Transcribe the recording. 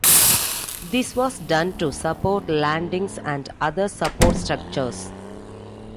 This was done to support landings and other support structures.